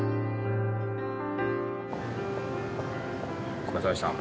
お疲れさまでした。